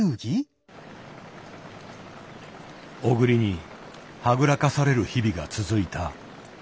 小栗にはぐらかされる日々が続いた。